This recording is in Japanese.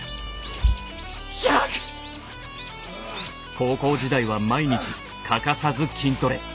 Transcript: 高校時代は毎日欠かさず筋トレ。